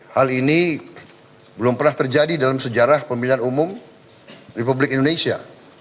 hal ini belum pernah terjadi dalam sejarah pemilihan umum republik indonesia